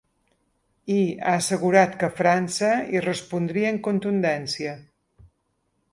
I ha assegurat que França hi respondria amb contundència.